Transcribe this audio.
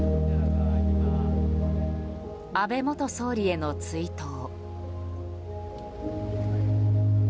安倍元総理への追悼。